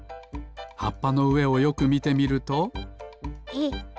はっぱのうえをよくみてみるとえっ？